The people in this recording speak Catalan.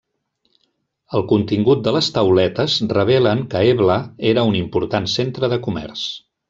El contingut de les tauletes revelen que Ebla era un important centre de comerç.